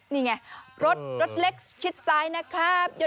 นี่ไงรถรถเล็กชิดซ้ายนะครับ